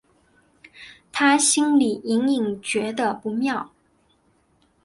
她心里隐隐觉得不妙